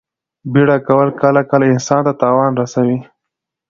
بیړه کول کله کله انسان ته تاوان رسوي.